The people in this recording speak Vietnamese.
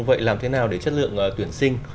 vậy làm thế nào để chất lượng tuyển sinh